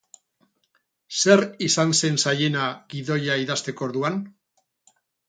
Zer izan zen zailena gidoia idazteko orduan?